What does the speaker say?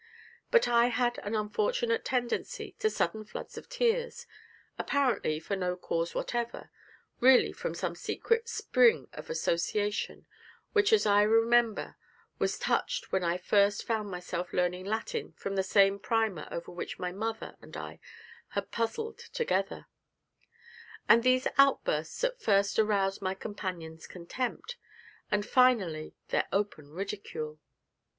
But I had an unfortunate tendency to sudden floods of tears (apparently for no cause whatever, really from some secret spring of association, such as I remember was touched when I first found myself learning Latin from the same primer over which my mother and I had puzzled together), and these outbursts at first aroused my companions' contempt, and finally their open ridicule.